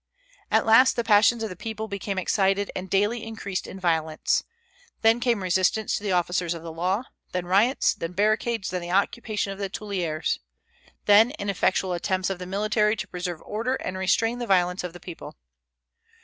At last the passions of the people became excited, and daily increased in violence. Then came resistance to the officers of the law; then riots, then barricades, then the occupation of the Tuileries, then ineffectual attempts of the military to preserve order and restrain the violence of the people.